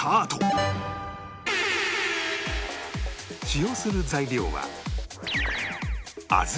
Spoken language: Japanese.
使用する材料は